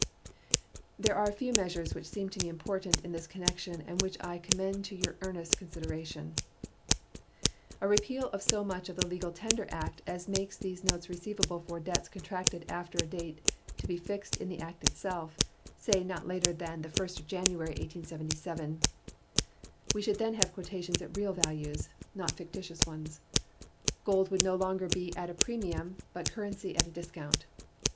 There are a few measures which seem to me important in this connection and which I commend to your earnest consideration: A repeal of so much of the legal tender act as makes these notes receivable for debts contracted after a date to be fixed in the act itself, say not later than the 1st of January, 1877. We should then have quotations at real values, not fictitious ones. Gold would no longer be at a premium, but currency at a discount.